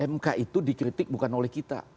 mk itu dikritik bukan oleh kita